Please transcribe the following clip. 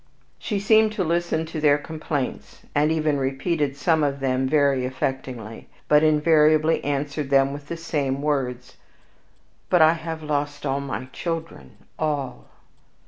She seemed to listen to their complaints, and even repeated some of them very affectingly, but invariably answered them with the same words, "But I have lost all my children all!"